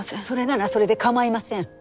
それならそれで構いません。